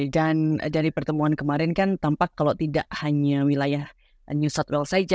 dan dari pertemuan kemarin kan tampak kalau tidak hanya wilayah new south wales saja